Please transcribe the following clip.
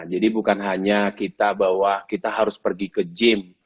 jadi bukan hanya kita bahwa kita harus pergi ke gym